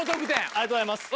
ありがとうございます。